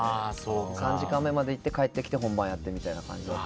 ３時間目まで行って帰ってきて本番やってみたいな感じでした。